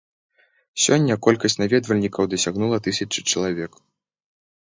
Сёння колькасць наведвальнікаў дасягнула тысячы чалавек.